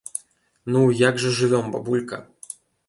Ну, як жа жывём, бабулька?